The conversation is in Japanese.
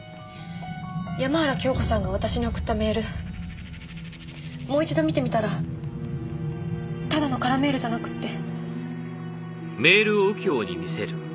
山原京子さんが私に送ったメールもう一度見てみたらただの空メールじゃなくって。